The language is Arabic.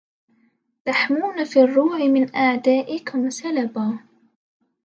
تحمون في الروع من أعدائكم سلبا